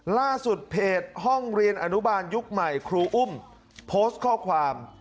ล่าสุดเพจห้องเรียนอนุบาลยุคใหม่ครูอุ้มโพสต์ข้อความ